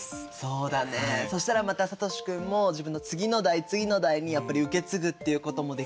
そしたらまたさとし君も自分の次の代次の代にやっぱり受け継ぐっていうこともできるしね。